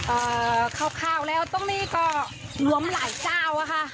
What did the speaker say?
อ่าคร่าวคร่าวแล้วตรงนี้ก็รวมหลายเจ้าอะค่ะ